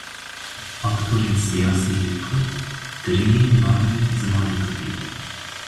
Aktorên siyasî yên kurd, giringiyê nadin zimanê kurdî.